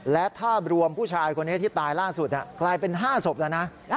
และถ้ารวมผู้ชายคนนี้ที่ตายล่าสุดกลายเป็น๕ศพแล้วนะ